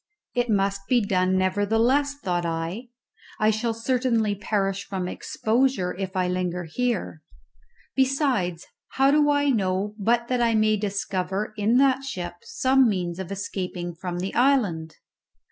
It must be done nevertheless, thought I; I shall certainly perish from exposure if I linger here; besides, how do I know but that I may discover in that ship some means of escaping from the island?